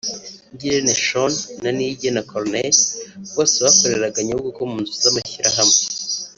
Ngirente Schon na Niyigena Corneille bose bakoreraga Nyabugogo mu nzu z’amashyirahamwe